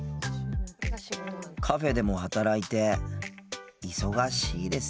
カフェでも働いて忙しいですね。